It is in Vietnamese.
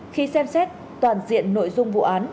khi xem xét toàn diện nội dung vụ án